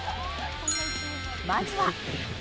まずは。